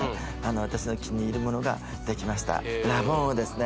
私の気に入るものができましたラボンをですね